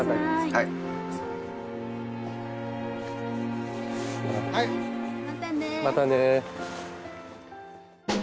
またね。